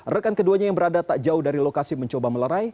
rekan keduanya yang berada tak jauh dari lokasi mencoba melerai